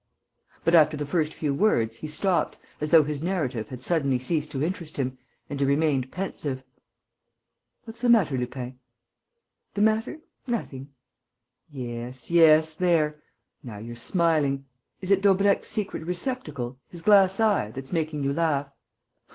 [G] But, after the first few words, he stopped, as though his narrative had suddenly ceased to interest him, and he remained pensive. "What's the matter, Lupin?" "The matter? Nothing." "Yes, yes.... There ... now you're smiling.... Is it Daubrecq's secret receptacle, his glass eye, that's making you laugh?"